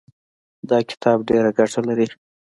دا کتاب ډېره ګټه لري.